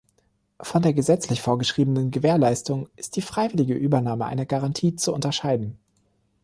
Von der gesetzlich vorgeschriebenen Gewährleistung ist die freiwillige Übernahme einer Garantie zu unterscheiden.